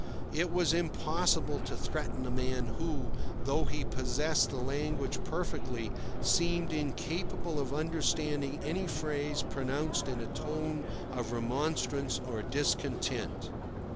It was impossible to threaten a man who, though he possessed the language perfectly, seemed incapable of understanding any phrase pronounced in a tone of remonstrance or discontent.